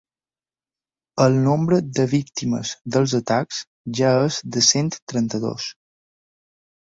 El nombre de víctimes dels atacs ja és de cent trenta-dos.